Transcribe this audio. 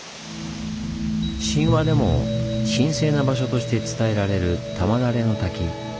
神話でも神聖な場所として伝えられる玉垂の滝。